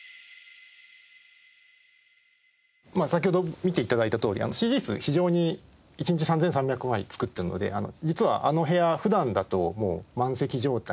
先ほど見て頂いたとおりＣＧ室非常に１日３３００枚作ってるので実はあの部屋普段だともう満席状態で仕事をしてるんですね。